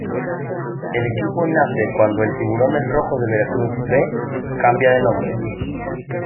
El equipo nace cuando el Tiburones Rojos de Veracruz B cambia de nombre.